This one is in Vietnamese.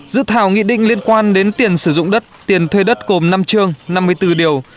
dự thảo nghị định liên quan đến tiền sử dụng đất tiền thuê đất gồm năm chương năm mươi bốn điều